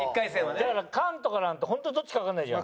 だから菅とかなんて本当どっちかわかんないじゃん。